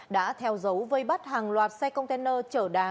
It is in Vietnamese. đã theo dấu vây bắt hàng loạt xe container chở đá